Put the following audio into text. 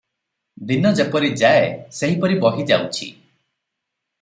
ଦିନ ଯେପରି ଯାଏ ସେହିପରି ବହି ଯାଉଛି ।